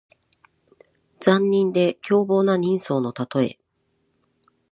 残忍で凶暴な人相のたとえ。